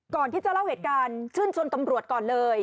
ก่อนที่จะเล่าเหตุการณ์ชื่นชนตำรวจก่อนเลย